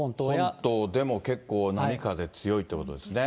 本島でも結構、波風強いということですね。